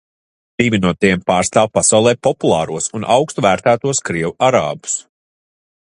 Divi no tiem pārstāv pasaulē populāros un augstu vērtētos krievu arābus.